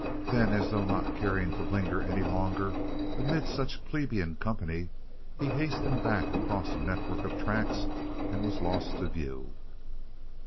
Then as though not caring to linger any longer amid such plebeian company, he hastened across the network of tracks and was lost to view.